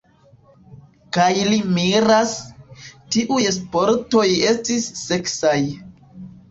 Kaj li miras: tiuj spertoj estis seksaj.